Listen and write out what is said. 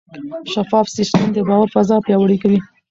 شفاف سیستم د باور فضا پیاوړې کوي.